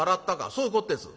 「そういうこってす」。